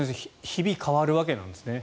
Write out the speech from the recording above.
日々変わるわけなんですね。